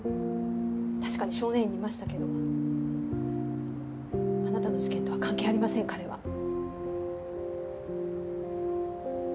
確かに少年院にいましたけどあなたの事件とは関係ありません彼は。